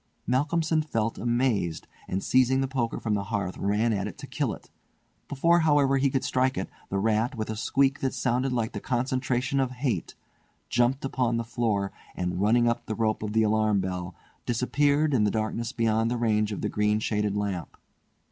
Malcolmson felt amazed, and seizing the poker from the hearth ran at it to kill it. Before, however, he could strike it, the rat, with a squeak that sounded like the concentration of hate, jumped upon the floor, and, running up the rope of the alarm bell, disappeared in the darkness beyond the range of the green shaded lamp.